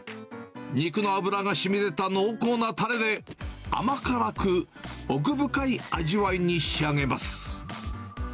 肉の脂がしみでた濃厚なたれで、甘辛く奥深い味わいに仕上げます。